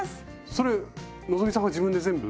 それ希さんが自分で全部？